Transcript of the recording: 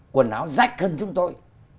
quần áo rách hơn chúng tôi